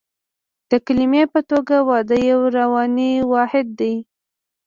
د کلمې په توګه واده یو رواني واحد دی